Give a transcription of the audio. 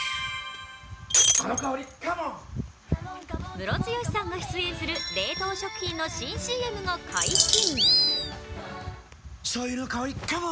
ムロツヨシさんが出演する冷凍食品の新ＣＭが解禁。